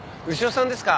牛尾さんですか？